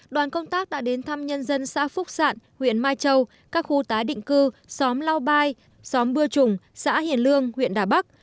đoàn công tác đã đến thăm nhân dân xã phúc sạn huyện mai châu các khu tái định cư xóm lau bai xóm bưa trùng xã hiền lương huyện đà bắc